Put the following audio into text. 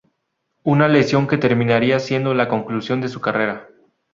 Una lesión que terminaría siendo la conclusión de su carrera.